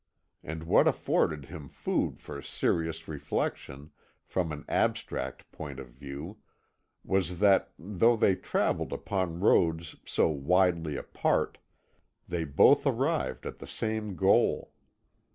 And what afforded him food for serious reflection, from an abstract point of view, was that, though they travelled upon roads so widely apart, they both arrived at the same goal.